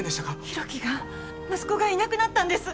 博喜が息子がいなくなったんです！